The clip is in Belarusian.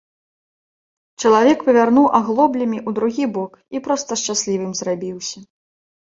Чалавек павярнуў аглоблямі ў другі бок і проста шчаслівым зрабіўся.